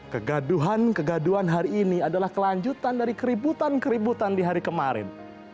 kegaduhan kegaduhan hari ini adalah kelanjutan dari keributan keributan di hari kemarin